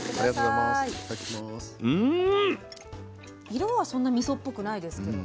色はそんなみそっぽくないですけど。